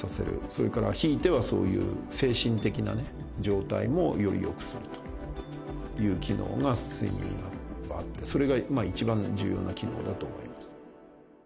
それから、ひいてはそういう精神的な状態もよりよくするという機能が睡眠にはあって、それが一番重要な機能だと思います。